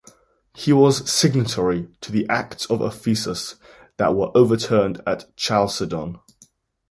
He was signatory to the acts of Ephesus that were overturned at Chalcedon.